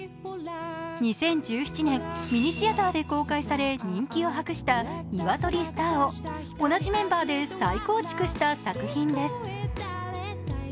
２０１７年、ミニシアターで公開され人気を博した「ニワトリ☆スター」を同じメンバーで再構築した作品です。